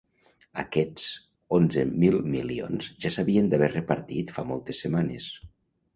Aquests onzen mil milions ja s’havien d’haver repartit fa moltes setmanes.